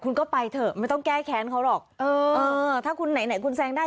คุณก็ไปเถอะไม่ต้องแก้แค้นเขาหรอกเออเออถ้าคุณไหนไหนคุณแซงได้